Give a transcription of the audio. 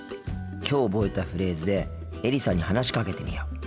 きょう覚えたフレーズでエリさんに話しかけてみよう。